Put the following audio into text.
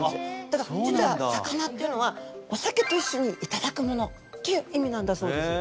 ただ実は酒菜っていうのはお酒と一緒にいただくものっていう意味なんだそうです。